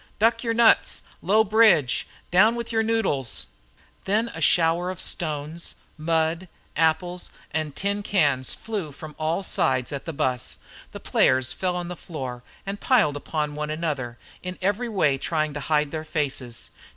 "Duck yer nuts! Low bridge! Down with yer noodles!" Then a shower of stones, mud, apples, and tin cans flew from all sides at the bus. The players fell on the floor and piled upon one another, in every way trying to hide their faces.